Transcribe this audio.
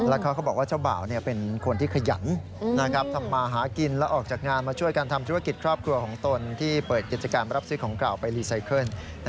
แล้วเขาก็บอกว่าเจ้าบ่าวเป็นคนที่ขยันทำมาหากินแล้วออกจากงานมาช่วยกันทำธุรกิจครอบครัวของตนที่เปิดกิจกรรมรับซื้อของเก่าไปรีไซเคิล